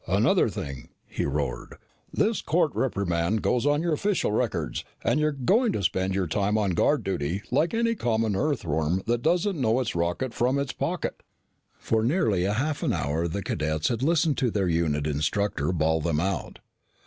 "And another thing!" he roared. "This court reprimand goes on your official records, and you're going to spend your time on guard duty like any common Earthworm that doesn't know its rocket from its pocket!" For nearly half an hour the cadets had listened to their unit instructor bawl them out.